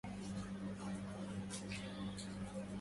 بدا الشيب في رأسي فجلى عمايتي